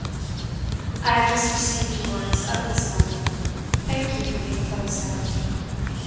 "I have just received yours of this morning; thank you for the enclosed note.